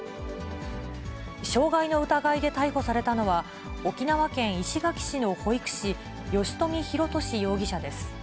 傷害の疑いで逮捕されたのは、沖縄県石垣市の保育士、吉冨弘敏容疑者です。